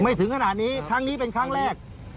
ถึงขนาดนี้ครั้งนี้เป็นครั้งแรก